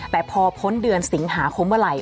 แบบพอพ้นเดือนสิงหาคมวะไหล่